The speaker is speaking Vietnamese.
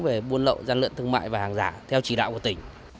về buôn lậu gian lận thương mại và hàng giả theo chỉ đạo của tỉnh